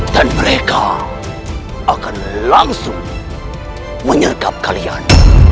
dan mereka akan langsung menyergap kalian